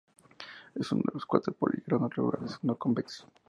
Es uno de cuatro poliedros regulares no convexos.